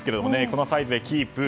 このサイズでキープ。